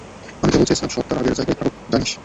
আমি কেবল চেয়েছিলাম সব তার আগের জায়গায় থাকুক, জানিস?